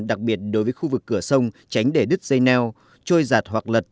đặc biệt đối với khu vực cửa sông tránh để đứt dây neo trôi giạt hoặc lật